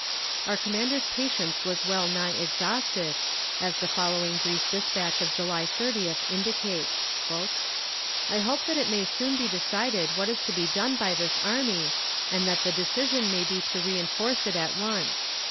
Our commander's patience was well nigh exhausted, as the following brief despatch of July 30th indicates: "I hope that it may soon be decided what is to be done by this army, and that the decision may be to reinforce it at once.